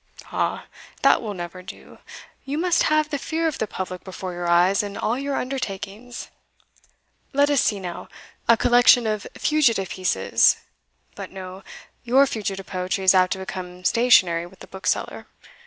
"Ah! that will never do; you must have the fear of the public before your eyes in all your undertakings. Let us see now: A collection of fugitive pieces; but no your fugitive poetry is apt to become stationary with the bookseller.